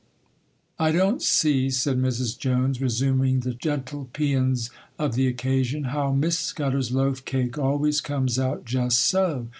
'I don't see,' said Mrs. Jones, resuming the gentle pæans of the occasion, 'how Miss Scudder's loaf cake always comes out just so.